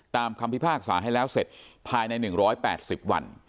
คำพิพากษาให้แล้วเสร็จภายใน๑๘๐วัน